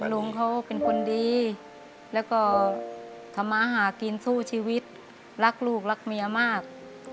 ลุงเขาเป็นคนดีแล้วก็ทำมาหากินสู้ชีวิตรักลูกรักเมียมาก